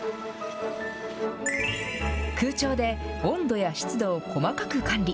空調で温度や湿度を細かく管理。